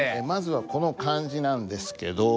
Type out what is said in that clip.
まずはこの漢字なんですけど。